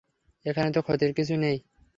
এতে তো ক্ষতির কিছু নেই।